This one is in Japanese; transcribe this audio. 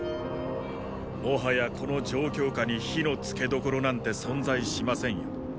もはやこの状況下に火のつけ所なんて存在しませんよ。